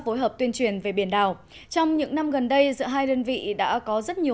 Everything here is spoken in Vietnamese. phối hợp tuyên truyền về biển đảo trong những năm gần đây giữa hai đơn vị đã có rất nhiều